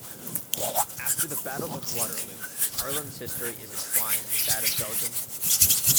After the Battle of Waterloo, Arlon's history is entwined with that of Belgium.